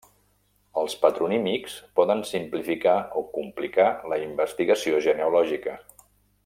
Els patronímics poden simplificar o complicar la investigació genealògica.